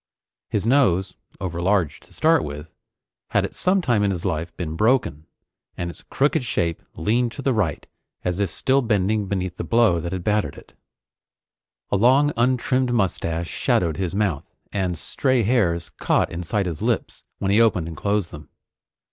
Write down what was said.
His nose, overlarge to start with, had at some time in his life been broken, and its crooked shape leaned to the right as if still bending beneath the blow that had battered it. A long untrimmed mustache shadowed his mouth, and stray hairs caught inside his lips when he opened and closed them.